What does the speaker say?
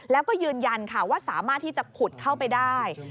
แล้วก็ยืนยันค่ะว่าสามารถที่จะขุดเข้าไปได้